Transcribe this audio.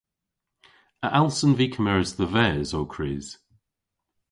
A allsen vy kemeres dhe-ves ow krys?